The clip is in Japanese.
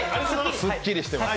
すっきりしてます。